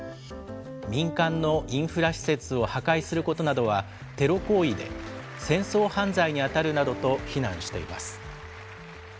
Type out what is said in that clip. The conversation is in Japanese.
民間のインフラ施設を破壊することなどはテロ行為で、戦争犯罪に当たるなどと非難しています。